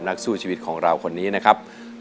นักสู้ชีวิตของเราคนนี้นะครับ